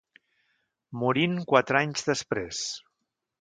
Morint quatre anys després.